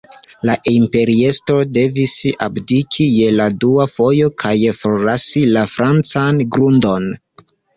La imperiestro devis abdiki je la dua fojo kaj forlasi la francan grundon.